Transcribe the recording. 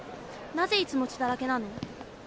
なぜいつも血だらけなの？